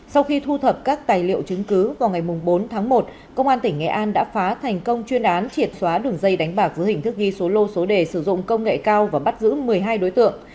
sau khi thu thập các tài liệu chứng cứ vào ngày bốn tháng một công an tỉnh nghệ an đã phá thành công chuyên án triệt xóa đường dây đánh bạc dưới hình thức ghi số lô số đề sử dụng công nghệ cao và bắt giữ một mươi hai đối tượng